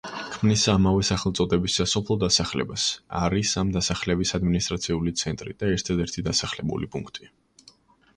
ქმნის ამავე სახელწოდების სასოფლო დასახლებას, არის ამ დასახლების ადმინისტრაციული ცენტრი და ერთადერთი დასახლებული პუნქტი.